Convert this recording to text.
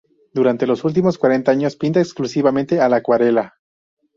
Durante los últimos cuarenta años pinta exclusivamente a la acuarela.